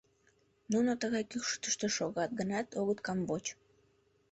Нуно тыгай кӱкшытыштӧ шогат гынат, огыт камвоч.